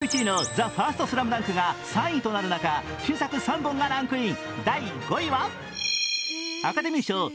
先週１位の「ＴＨＥＦＩＲＳＴＳＬＡＭＤＵＮＫ」が３位となる中新作３本がランクイン。